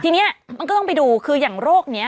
ทีนี้มันก็ต้องไปดูคืออย่างโรคนี้